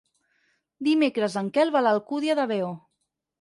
Dimecres en Quel va a l'Alcúdia de Veo.